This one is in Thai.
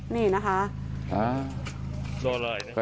นี่นะคะ